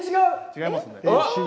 違いますね。